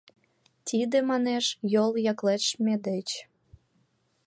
— Тиде, манеш, йол яклештме деч.